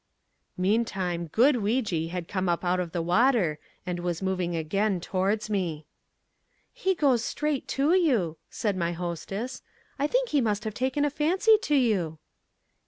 Meantime "good Weejee" had come out of the water and was moving again towards me. "He goes straight to you," said my hostess. "I think he must have taken a fancy to you."